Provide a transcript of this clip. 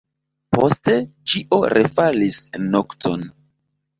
Poste ĉio refalis en nokton.